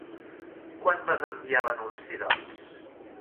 Quan vas enviar l'anunci, doncs?